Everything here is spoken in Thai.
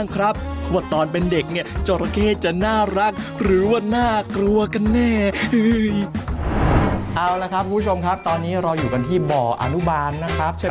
คราวนี้เขาจะแหวกช่วงกลางนี้แล้วไข่ลงไป